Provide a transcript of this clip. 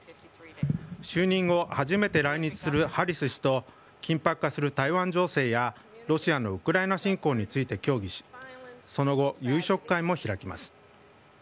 就任後、初めて来日するハリス氏と、緊迫化する台湾情勢やロシアのウクライナ侵攻について協議し、その後、夕食会も開きます。